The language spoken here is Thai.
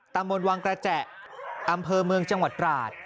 มนต์วังกระแจอำเภอเมืองจังหวัดตราด